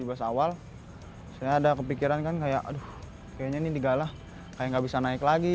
dua ribu tujuh belas awal saya ada kepikiran kayak aduh kayaknya ini digalah kayak nggak bisa naik lagi